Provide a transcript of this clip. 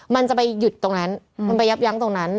มันจะไปหยุดตรงนั้นมันไปยับยั้งตรงนั้น